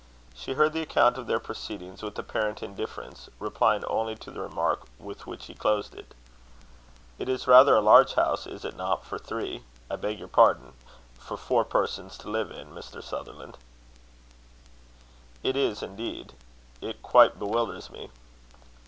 She heard the account of their proceedings with apparent indifference, replying only to the remark with which he closed it: "It is rather a large house, is it not, for three I beg your pardon, for four persons to live in, Mr. Sutherland?" "It is, indeed; it quite bewilders me."